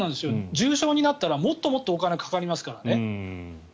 重症になったらもっともっとお金がかかりますからね。